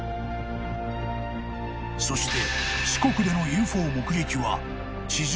［そして］